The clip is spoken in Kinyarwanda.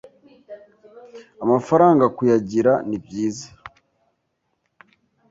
Amafaranga kuyagira ni byiza,